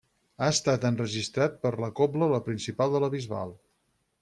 Ha estat enregistrat per la Cobla La Principal de la Bisbal.